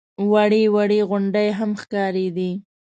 وړې وړې غونډۍ هم ښکارېدې.